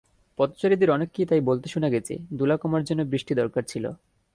পথচারীদের অনেককেই তাই বলতে শোনা গেছে, ধুলা কমার জন্য বৃষ্টি দরকার ছিল।